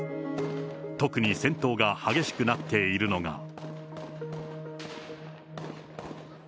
特に戦闘が激しくなっているのが。